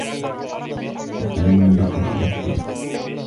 دخل المدرّس إلى القسم.